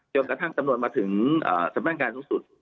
กระทั่งตำรวจมาถึงสำนักงานสูงสุด